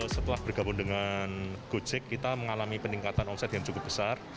setelah bergabung dengan gojek kita mengalami peningkatan omset yang cukup besar